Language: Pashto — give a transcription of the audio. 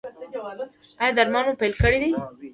ایا درمل مو پیل کړي دي؟